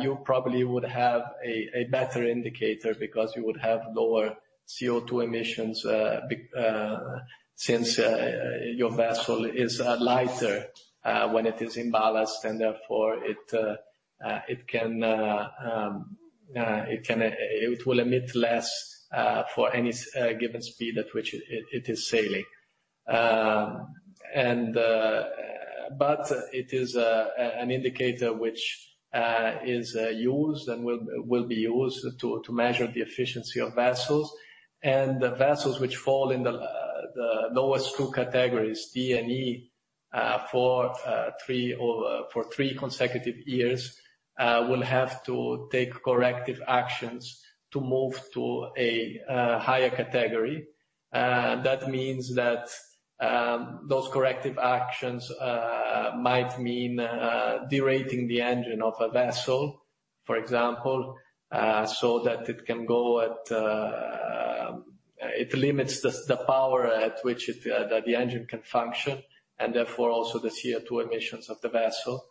you probably would have a better indicator because you would have lower CO2 emissions since your vessel is lighter when it is in ballast, and therefore it will emit less for any given speed at which it is sailing. It is an indicator which is used and will be used to measure the efficiency of vessels, and the vessels which fall in the lowest two categories, D and E, for 3 consecutive years, will have to take corrective actions to move to a higher category. That means that those corrective actions might mean derating the engine of a vessel. For example, so that it can go at it limits the power at which the engine can function, and therefore also the CO₂ emissions of the vessel.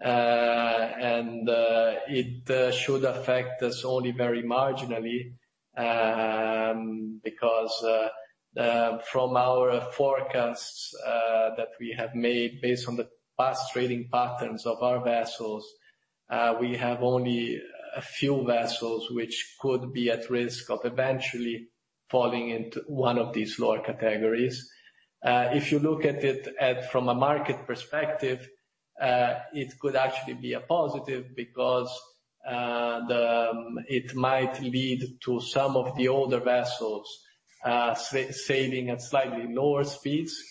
It should affect us only very marginally, because from our forecasts that we have made based on the past trading patterns of our vessels, we have only a few vessels which could be at risk of eventually falling into one of these lower categories. If you look at it from a market perspective, it could actually be a positive because it might lead to some of the older vessels sailing at slightly lower speeds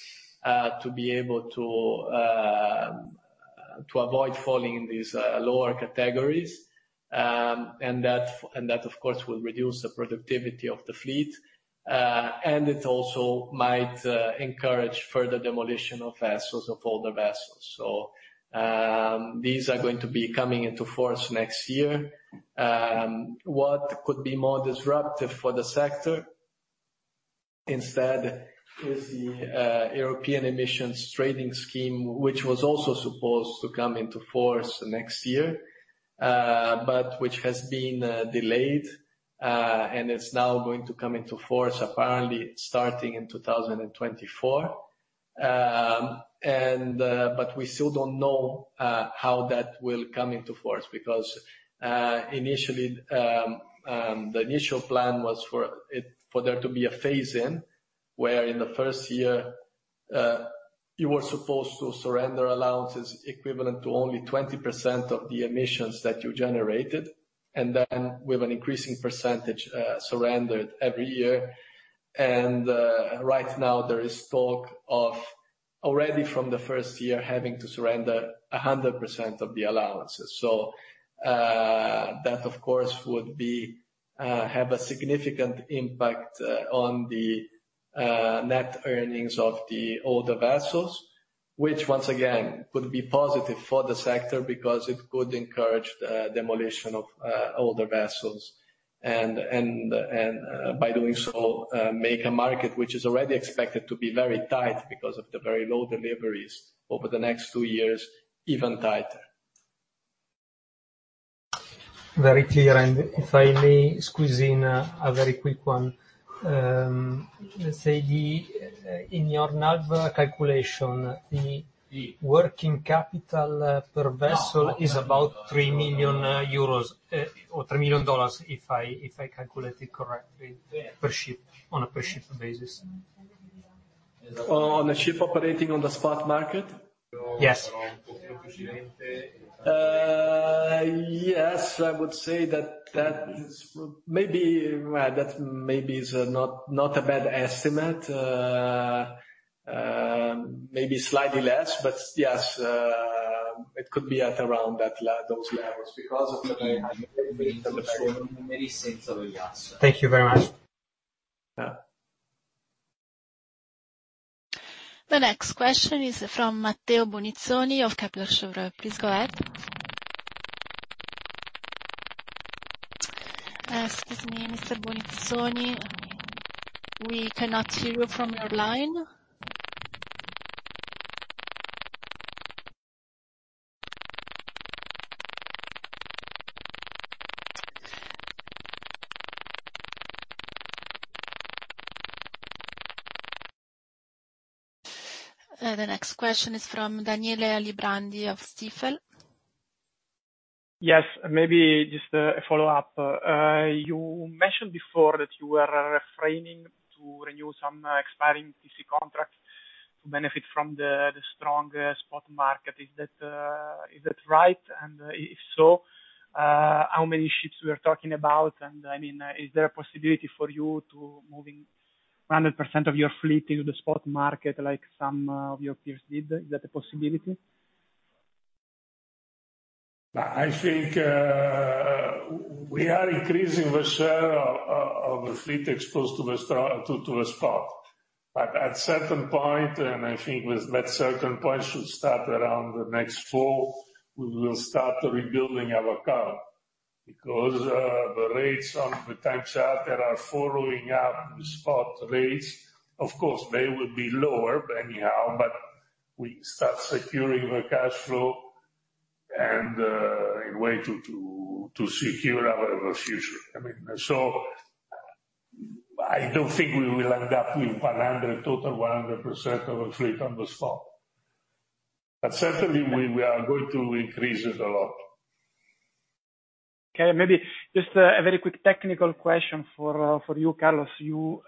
to be able to avoid falling in these lower categories. That, of course, will reduce the productivity of the fleet. It also might encourage further demolition of vessels, of older vessels. These are going to be coming into force next year. What could be more disruptive for the sector instead is the European Union Emissions Trading System, which was also supposed to come into force next year, but which has been delayed, and it's now going to come into force apparently starting in 2024. But we still don't know how that will come into force because initially the initial plan was for there to be a phase in, where in the first year you were supposed to surrender allowances equivalent to only 20% of the emissions that you generated, and then with an increasing percentage surrendered every year. Right now there is talk of already from the first year having to surrender 100% of the allowances. That of course would have a significant impact on the net earnings of the older vessels, which once again could be positive for the sector becaetuse it could encourage the demolition of older vessels and by doing so make a market which is already expected to be very tight because of the very low deliveries over the next 2 years even tight. Very clear. If I may squeeze in a very quick one. Let's say in your NAV calculation, the working capital per vessel is about 3 million euros or $3 million if I calculate it correctly per ship on a per-ship basis. On a ship operating on the spot market? Yes. Yes, I would say that is maybe, well, that maybe is not a bad estimate. Maybe slightly less. Yes, it could be at around those levels because of the very high. Thank you very much. Yeah. The next question is from Matteo Bonizzoni of Kepler Cheuvreux. Please go ahead. Excuse me, Mr. Bonizzoni, we cannot hear you from your line. The next question is from Daniele Alibrandi of Stifel. Yes. Maybe just a follow-up. You mentioned before that you were refraining to renew some expiring TC contracts to benefit from the strong spot market, is that right? If so, how many ships we are talking about? I mean, is there a possibility for you to moving 100% of your fleet into the spot market like some of your peers did? Is that a possibility? I think we are increasing the share of the fleet exposed to the spot. At certain point, and I think with that certain point should start around the next fall, we will start rebuilding our account because the rates on the time charter are following up the spot rates. Of course, they will be lower anyhow, but we start securing the cash flow and in way to secure our future. I mean, I don't think we will end up with 100% of our fleet on the spot. Certainly, we are going to increase it a lot. Okay. Maybe just a very quick technical question for you, Carlos. You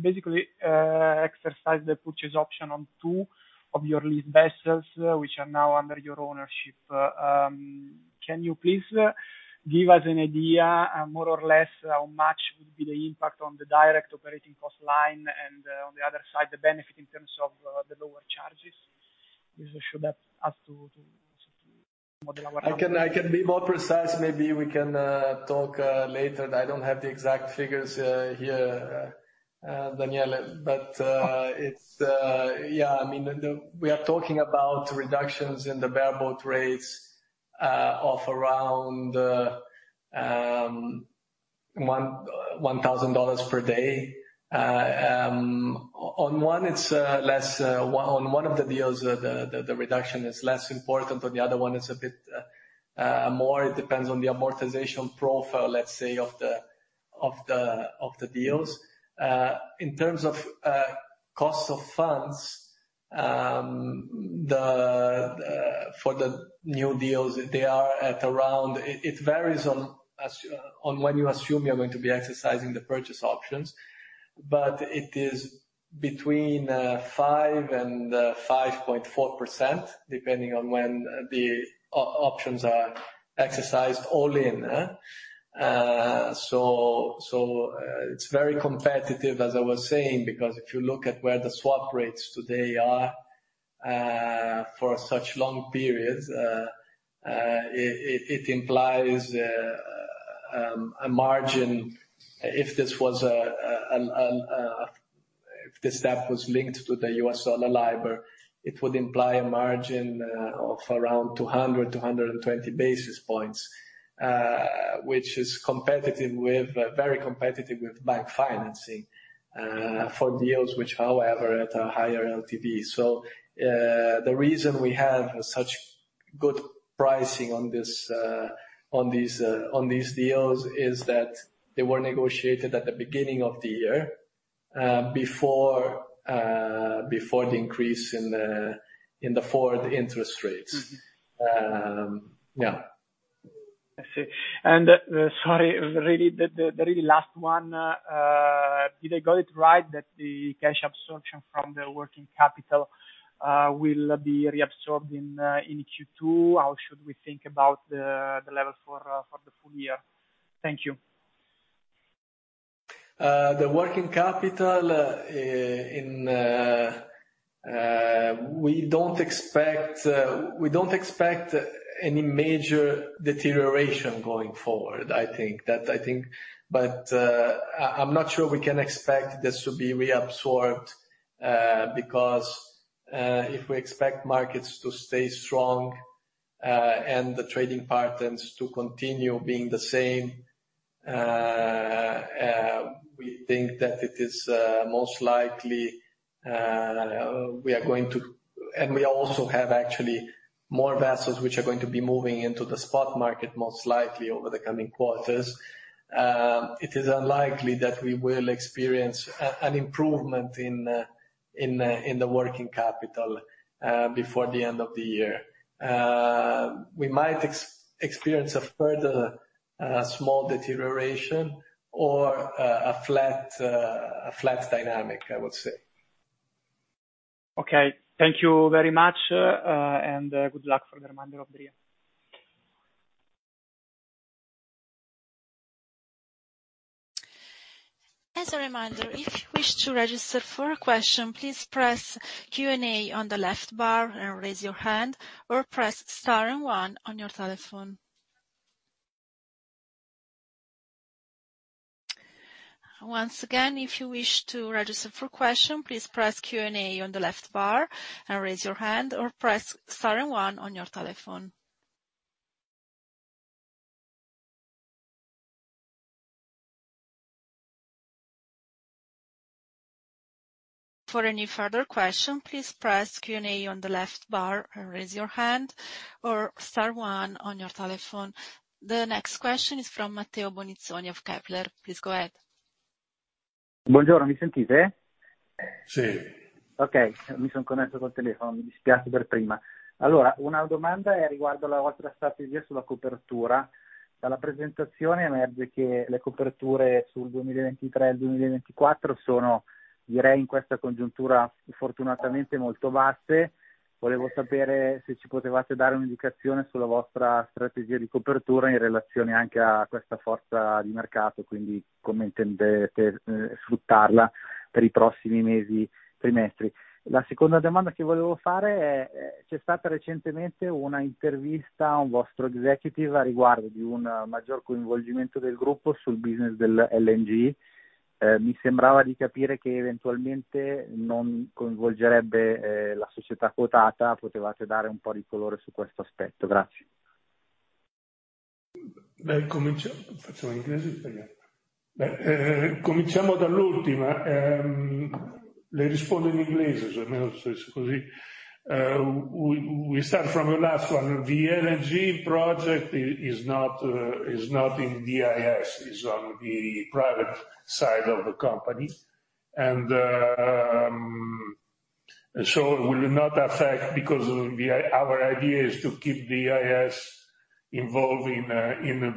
basically exercised the purchase option on two of your lease vessels, which are now under your ownership. Can you please give us an idea more or less how much would be the impact on the direct operating cost line and, on the other side, the benefit in terms of the lower charges? This should help us to model our. I can be more precise, maybe we can talk later. I don't have the exact figures here. Daniele, but it's, yeah, I mean, we are talking about reductions in the bareboat rates of around $1,000 per day. On one, it's less, on one of the deals the reduction is less important, but the other one is a bit more. It depends on the amortization profile, let's say, of the deals. In terms of costs of funds, for the new deals, they are at around. It varies as to when you assume you're going to be exercising the purchase options. It is between 5% and 5.4%, depending on when the options are exercised all in. So, it's very competitive, as I was saying, because if you look at where the swap rates today are for such long periods, it implies a margin. If this debt was linked to the US dollar LIBOR, it would imply a margin of around 220 basis points, which is very competitive with bank financing for deals which, however, are at a higher LTV. The reason we have such good pricing on these deals is that they were negotiated at the beginning of the year before the increase in the forward interest rates. Yeah. I see. Sorry, really, the really last one. Did I got it right that the cash absorption from the working capital will be reabsorbed in Q2? How should we think about the level for the full year? Thank you. The working capital, we don't expect any major deterioration going forward, I think. I'm not sure we can expect this to be reabsorbed, because if we expect markets to stay strong and the trading patterns to continue being the same, we think that it is most likely we are going to. We also have actually more vessels which are going to be moving into the spot market, most likely over the coming quarters. It is unlikely that we will experience an improvement in the working capital before the end of the year. We might experience a further small deterioration or a flat dynamic, I would say. Okay. Thank you very much and good luck for the remainder of the year. As a reminder, if you wish to register for a question, please press Q&A on the left bar and raise your hand or press star and one on your telephone. Once again, if you wish to register for question, please press Q&A on the left bar and raise your hand or press star and one on your telephone. For any further question, please press Q&A on the left bar and raise your hand or star one on your telephone. The next question is from Matteo Bonizzoni of Kepler. Please go ahead. Buongiorno, mi sentite? Sì. Okay. Mi sono connesso col telefono, mi dispiace per prima. Allora, una domanda è riguardo la vostra strategia sulla copertura. Dalla presentazione emerge che le coperture sul 2023 e 2024 sono, direi, in questa congiuntura fortunatamente molto basse. Volevo sapere se ci potevate dare un'indicazione sulla vostra strategia di copertura in relazione anche a questa forza di mercato, quindi come intendete sfruttarla per i prossimi mesi, trimestri. La seconda domanda che volevo fare è, c'è stata recentemente una intervista a un vostro executive a riguardo di un maggior coinvolgimento del gruppo sul business dell'LNG. Mi sembrava di capire che eventualmente non coinvolgerebbe la società quotata. Potevate dare un po' di colore su questo aspetto? Grazie. We start from the last one. The LNG project is not in DIS. Is on the private side of the company. So it will not affect because our idea is to keep DIS involved in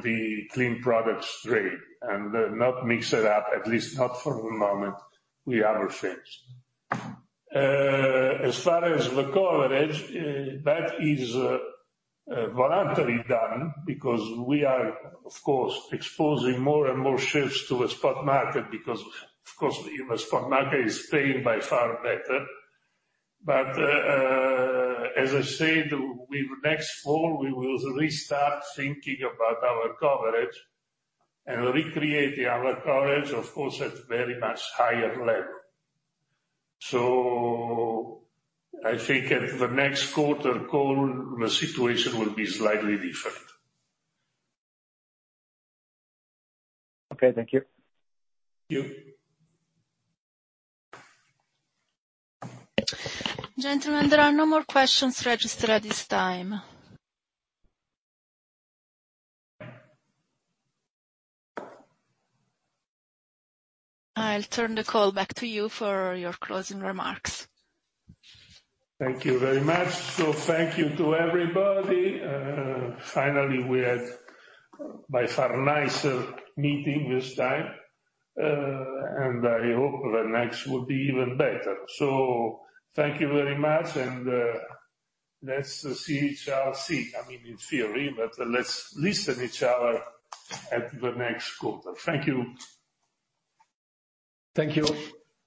the clean products trade and not mix it up, at least not for the moment, we have our ships. As far as the coverage, that is voluntarily done because we are of course exposing more and more ships to a spot market because of course the spot market is paying by far better. As I said, next fall, we will restart thinking about our coverage and recreating our coverage, of course, at very much higher level. I think at the next quarter call, the situation will be slightly different. Okay, thank you. Thank you. Gentlemen, there are no more questions registered at this time. I'll turn the call back to you for your closing remarks. Thank you very much. Thank you to everybody. Finally, we had by far nicer meeting this time, and I hope the next will be even better so, thank you very much and let's see each other. I mean, in theory, but let's listen each other at the next quarter. Thank you. Thank you.